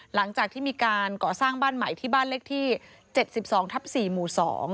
หลังจากที่มีการก่อสร้างบ้านใหม่ที่บ้านเลขที่๗๒ทับ๔หมู่๒